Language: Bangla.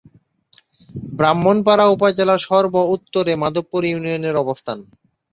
ব্রাহ্মণপাড়া উপজেলার সর্ব-উত্তরে মাধবপুর ইউনিয়নের অবস্থান।